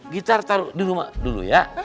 gitar taruh di rumah dulu ya